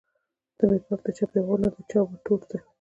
نه مې پام د چا پیغور د چا وتور ته